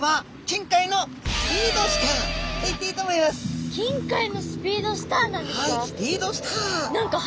近海のスピードスターなんですか！？